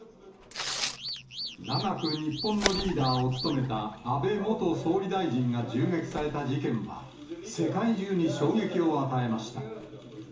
長く日本のリーダーを務めた、安倍元総理大臣が銃撃された事件は、世界中に衝撃を与えました。